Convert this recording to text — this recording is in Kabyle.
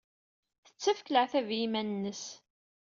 Tettakf leɛtab i yiman-nnes.